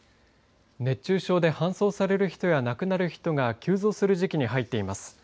熱中症で搬送される人や亡くなる人が急増する時期に入っています。